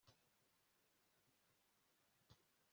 ndumva mugisha na mariya barimo gutandukana. ibyo ni byo bihuha